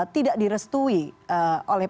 tidak direstui oleh